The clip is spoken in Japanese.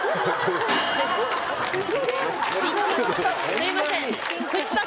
すいません！